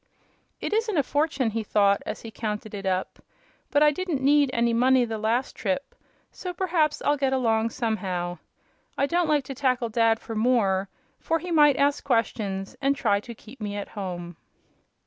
"It isn't a fortune," he thought, as he counted it up, "but I didn't need any money the last trip, so perhaps I'll get along somehow. I don't like to tackle Dad for more, for he might ask questions and try to keep me at home."